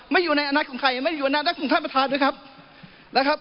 ไม่อยู่ในอันนัดของใครไม่อยู่ในอันนัดของท่านประธานด้วยครับ